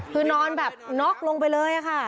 คือนอนแบบน็อกลงไปเลยค่ะ